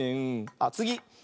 あっつぎ。